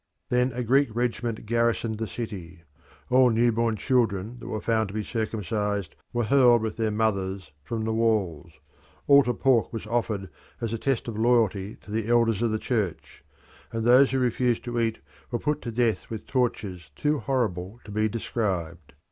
Then a Greek regiment garrisoned the city; all new born children that were found to be circumcised were hurled with their mothers from the walls; altar pork was offered as a test of loyalty to the elders of the Church, and those who refused to eat were put to death with tortures too horrible to be described.